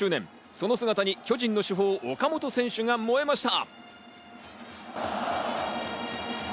その姿に巨人の主砲・岡本選手が燃えました！